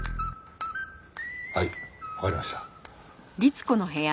はいわかりました。